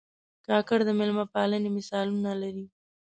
کاکړ د مېلمه پالنې مثالونه لري.